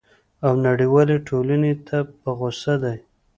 او نړیوالي ټولني ته په غوصه دی!